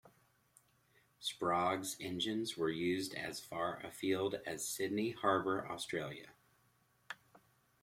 Sprague's engines were used as far afield as Sydney Harbour, Australia.